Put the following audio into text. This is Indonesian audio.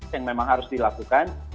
yang memang harus dilakukan